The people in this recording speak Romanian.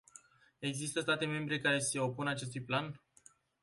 Există state membre care se opun acestui plan?